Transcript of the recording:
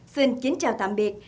xin chào tạm biệt